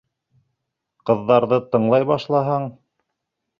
Ҡыҙҙарҙы тыңлай башлаһаң...